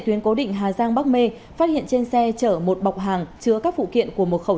tuyến cố định hà giang bắc mê phát hiện trên xe chở một bọc hàng chứa các phụ kiện của một khẩu